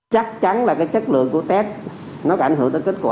chắc chắn là cái chất lượng của test nó có ảnh hưởng tới